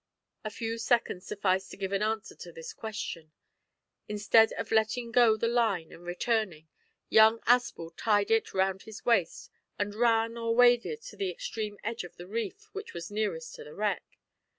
A few seconds sufficed to give an answer to his question. Instead of letting go the line and returning, young Aspel tied it round his waist, and ran or waded to the extreme edge of the reef which was nearest to the wreck.